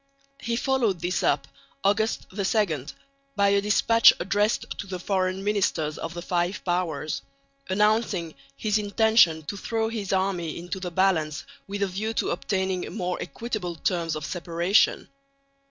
He followed this up (August 2) by a despatch addressed to the Foreign Ministers of the Five Powers, announcing his intention "to throw his army into the balance with a view to obtaining more equitable terms of separation."